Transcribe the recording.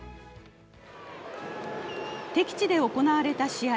敵地で行われた試合